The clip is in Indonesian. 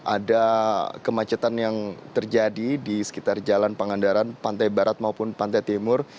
ada kemacetan yang terjadi di sekitar jalan pangandaran pantai barat maupun pantai timur